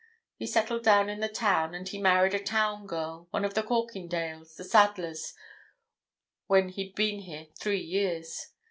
He settled down in the town, and he married a town girl, one of the Corkindales, the saddlers, when he'd been here three years.